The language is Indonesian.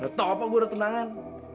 gak tau apa gue udah tenangan